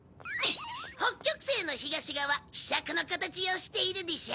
北極星の東側ひしゃくの形をしているでしょ？